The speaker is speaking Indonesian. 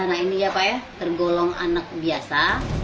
nah ini ya pak ya tergolong anak biasa